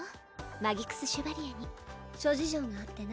マギクス・シュバリエに諸事情があってな